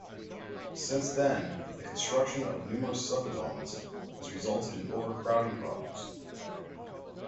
Since then, the construction of numerous subdevelopments has resulted in overcrowding problems.